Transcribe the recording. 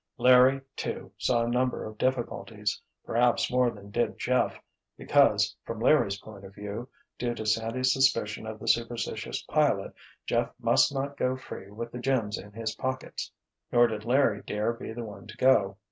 Larry, too, saw a number of difficulties—perhaps more than did Jeff, because, from Larry's point of view, due to Sandy's suspicion of the superstitious pilot, Jeff must not go free with the gems in his pockets, nor did Larry dare be the one to go.